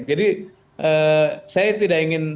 jadi saya tidak ingin